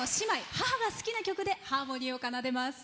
母が好きな曲でハーモニーを奏でます。